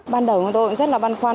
ban đầu chúng tôi cũng rất là băn khoăn